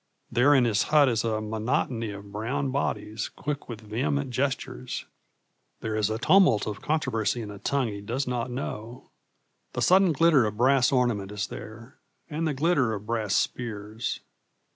There in his hut is a monotony of brown bodies quick with vehement gestures; there is a tumult of controversy in a tongue he does not know. The sudden glitter of brass ornament is there, and the glitter of brass spears.